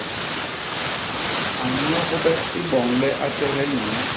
A nnyogbe i boñ le a tehe nyono.